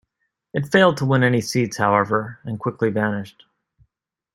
It failed to win any seats, however, and quickly vanished.